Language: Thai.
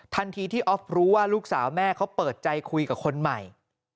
ทันทีที่ออฟรู้ว่าลูกสาวแม่เขาเปิดใจคุยกับคนใหม่